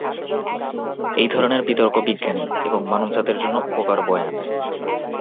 এই ধরনের বিতর্ক বিজ্ঞানী এবং মানবজাতির জন্য উপকার বয়ে আনে।